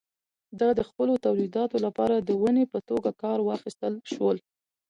دا د خپلو تولیداتو لپاره د ونې په توګه کار واخیستل شول.